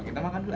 kita makan dulu